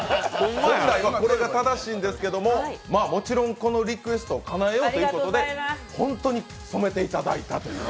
本来はこれが正しいんですけどももちろんこのリクエストをかなえようということで本当に染めていただいたと。